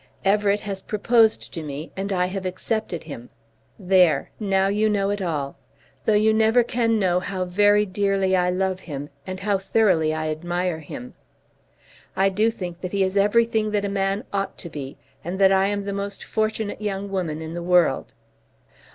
Everett has proposed to me, and I have accepted him. There; now you know it all. Though you never can know how very dearly I love him and how thoroughly I admire him. I do think that he is everything that a man ought to be, and that I am the most fortunate young woman in the world.